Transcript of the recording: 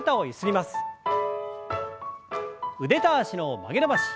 腕と脚の曲げ伸ばし。